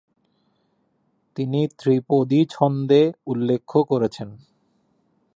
তিনি ত্রিপদি ছন্দে উল্লেখ্য করেছেন;